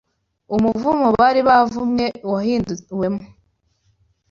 umuvumo bari baravumwe wahinduwemo